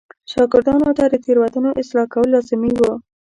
شاګردانو ته د تېروتنو اصلاح کول لازمي و.